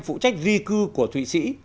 phụ trách ri cư của thụy sĩ